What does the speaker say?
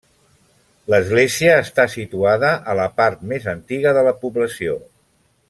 L'església està situada a la part més antiga de la població.